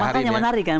makanya menarik kan